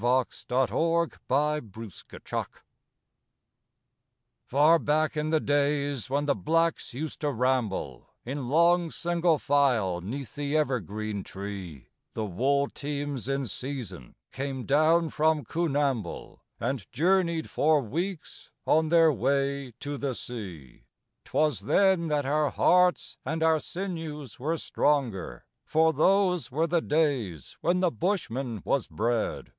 SONG OF THE OLD BULLOCK DRIVER Far back in the days when the blacks used to ramble In long single file 'neath the evergreen tree, The wool teams in season came down from Coonamble, And journeyed for weeks on their way to the sea. 'Twas then that our hearts and our sinews were stronger, For those were the days when the bushman was bred.